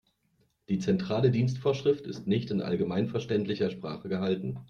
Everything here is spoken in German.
Die Zentrale Dienstvorschrift ist nicht in allgemeinverständlicher Sprache gehalten.